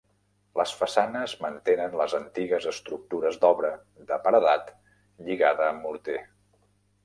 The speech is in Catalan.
Les façanes mantenen les antigues estructures d'obra de paredat lligada amb morter.